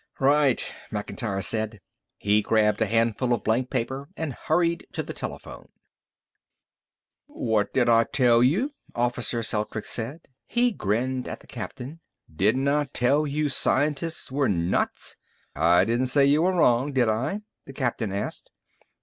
"Right," Macintyre said. He grabbed a handful of blank paper and hurried to the telephone. "What did I tell you?" Officer Celtrics said. He grinned at the captain. "Didn't I tell you scientists were nuts?" "I didn't say you were wrong, did I?" the captain asked.